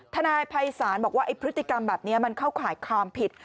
ทนายภัยสารบอกว่าพฤติกรรมแบบนี้เข้าขายความผิด